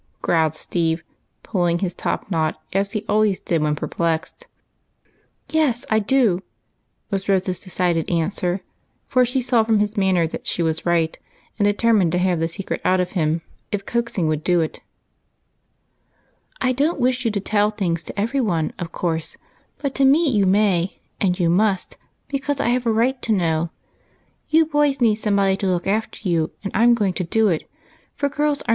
growled Steve, pulling his top knot, as he always did when perplexed. "Yes, I do," was Rose's decided answer, — for she saw from his manner that she was right, and deter mined to have the secret out of him if coaxing would do it. " I don't wish you to tell things to every one, of course, but to me you may, and you must, because I have a right to know. You boys need somebody to look after you, and I 'm going to do it, for girls are 12 266 EIGHT COUSINS.